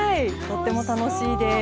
とっても楽しいです。